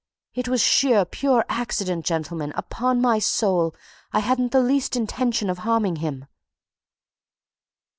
It was sheer, pure accident, gentlemen! Upon my soul, I hadn't the least intention of harming him."